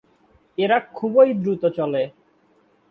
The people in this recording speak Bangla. এরা খুবই দ্রুত চলে।